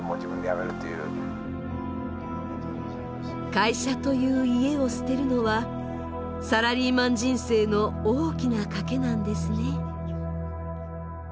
会社という家を捨てるのはサラリーマン人生の大きな賭けなんですね。